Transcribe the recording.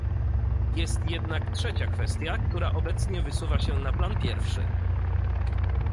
Jest jednak trzecia kwestia, która obecnie wysuwa się na plan pierwszy